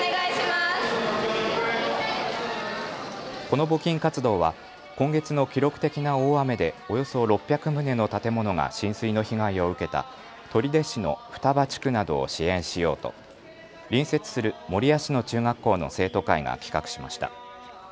この募金活動は今月の記録的な大雨でおよそ６００棟の建物が浸水の被害を受けた取手市の双葉地区などを支援しようと隣接する守谷市の中学校の生徒会が企画しました。